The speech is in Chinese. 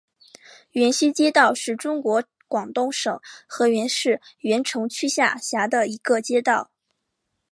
源西街道是中国广东省河源市源城区下辖的一个街道。